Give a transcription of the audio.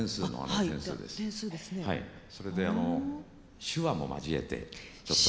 それで手話も交えてちょっと。